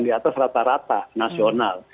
di atas rata rata nasional